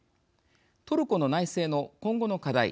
トルコの内政の今後の課題。